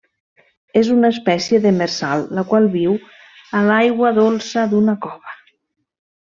És una espècie demersal, la qual viu a l'aigua dolça d'una cova.